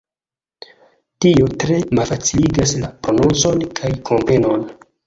Tio tre malfaciligas la prononcon kaj komprenon.